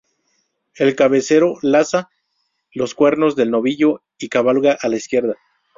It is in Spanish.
El "cabecero" laza los cuernos del novillo y cabalga a la izquierda.